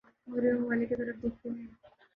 مغربی ممالک کی طرف دیکھتے ہیں